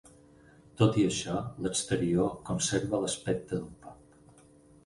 Tot i això, l'exterior conserva l'aspecte d'un pub.